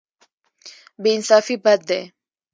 بې انصافي بد دی.